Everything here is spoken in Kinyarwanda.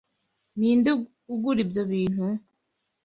Ninde ugura ibyo bintu?